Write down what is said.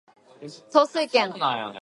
統帥権